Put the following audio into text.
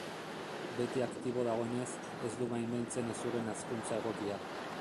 Beti aktibo dagoenez, ez du baimentzen hezurren hazkuntza egokia.